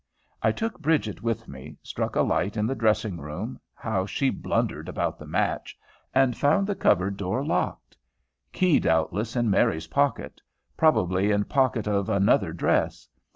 I took Bridget with me, struck a light in the dressing room (how she blundered about the match), and found the cupboard door locked! Key doubtless in Mary's pocket, probably in pocket of "another dress."